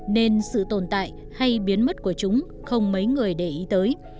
nên sự tồn tại hay biến mất của chúng không mấy người để ý tới